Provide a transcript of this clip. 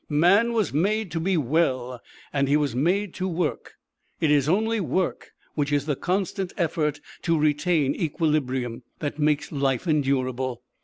Man was made to be well, and he was made to work. It is only work which is the constant effort to retain equilibrium that makes life endurable.